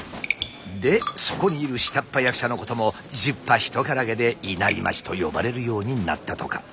でそこにいる下っ端役者のことも十把一からげで稲荷町と呼ばれるようになったとか。